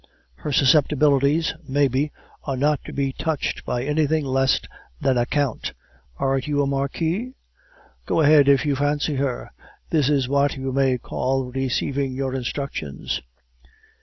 Her susceptibilities, maybe, are not to be touched by anything less than a count. Aren't you a marquis? Go ahead if you fancy her. This is what you may call receiving your instructions.